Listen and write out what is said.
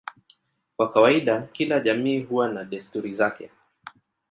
Kwa kawaida kila jamii huwa na desturi zake.